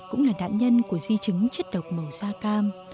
cũng là nạn nhân của di chứng chất độc màu da cam